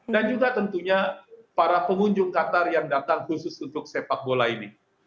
dan juga tentunya para pengunjung katar yang datang khusus untuk sepak bola ini